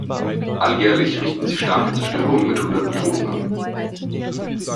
Alljährlich richten sie starke Zerstörungen mit hunderten Toten an.